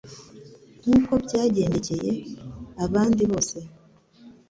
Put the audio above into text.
Nk'uko byagendekcye abandi bose,